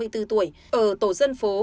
sáu mươi bốn tuổi ở tổ dân phố